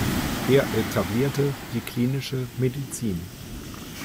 Er etablierte die klinische Medizin.